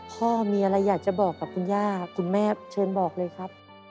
พ่อมีอะไรอยากจะบอกกับคุณย่าคุณแม่เชิญบอกเลยครับ